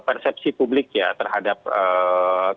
persepsi publik ya terhadap